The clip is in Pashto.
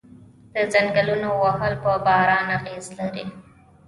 د ځنګلونو وهل په باران اغیز لري؟